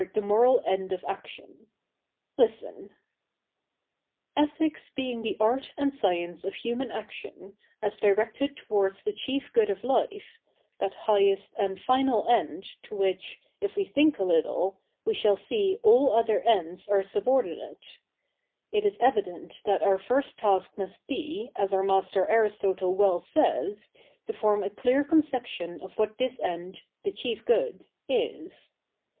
The Mo7 al Etid of ActioiiT Listen —' Ethics being the art and science of human action^ as directed towards the chief good of life — that highest and final end^ to which, if we think a little^ we shall see all other ends aj e subordinate ; it is evide?it that our first task inust be, as our master Aristotle well says, to form a clear conception of ivhat this end, the chief good, is.